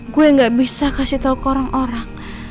gue gak bisa kasih tahu ke orang orang